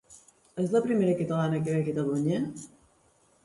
És la primera catalana que ve a Catalunya?